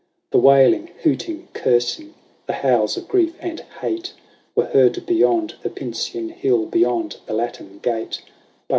The wailing, hooting, cursing, the howls of grief and hate, Were heard beyond the Pincian Hill, beyond the Latin Gate.